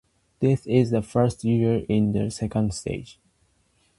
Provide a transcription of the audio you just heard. This is the first year in the second stage.